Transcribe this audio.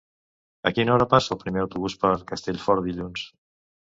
A quina hora passa el primer autobús per Castellfort dilluns?